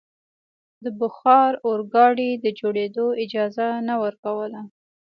د بخار اورګاډي د جوړېدو اجازه نه ورکوله.